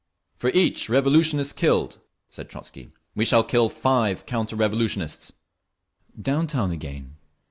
"For each revolutionist killed," said Trotzky, "we shall kill five counter revolutionists!" Down town again.